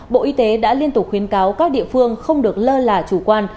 bộ y tế đã liên tục khuyến cáo các địa phương không được lơ là chủ quan